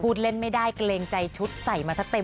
พูดเล่นไม่ได้เกรงใจชุดใส่มาซะเต็ม